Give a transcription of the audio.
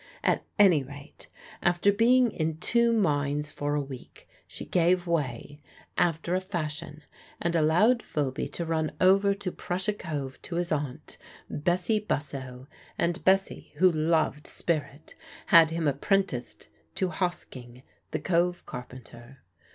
At any rate, after being in two minds for a week she gave way, after a fashion, and allowed Phoby to run over to Prussia Cove to his aunt, Bessie Bussow; and Bessie who loved spirit had him apprenticed to Hosking, the Cove carpenter.